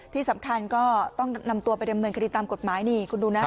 ที่สำคัญก็ต้องนำตัวไปดำเนินคดีตามกฎหมายนี่คุณดูนะ